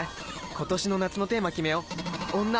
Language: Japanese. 今年の夏のテーマ決めよう女！